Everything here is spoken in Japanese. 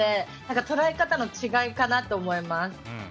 捉え方の違いかなと思います。